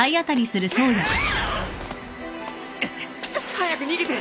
早く逃げて！